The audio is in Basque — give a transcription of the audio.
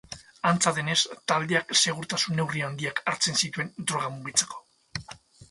Antza denez, taldeak segurtasun neurri handiak hartzen zituen droga mugitzeko.